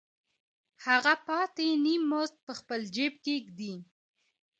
هغه پاتې نیم مزد په خپل جېب کې ږدي